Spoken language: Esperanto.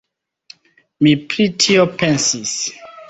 Mi pri tio pensis.